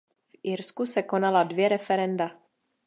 V Irsku se konala dvě referenda.